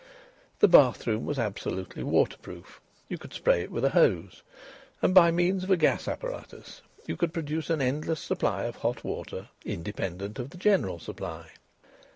The bath room was absolutely waterproof; you could spray it with a hose, and by means of a gas apparatus you could produce an endless supply of hot water independent of the general supply.